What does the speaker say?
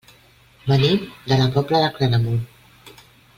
Venim de la Pobla de Claramunt.